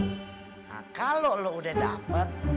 nah kalau lo udah dapat